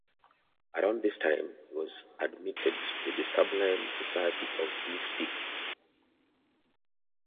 Around this time he was admitted to the Sublime Society of Beef Steaks.